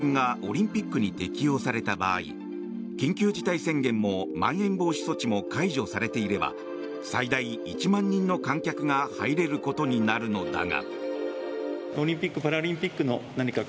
また、この方針がオリンピックに適用された場合緊急事態宣言もまん延防止措置も解除されていれば最大１万人の観客が入れることになるのだが。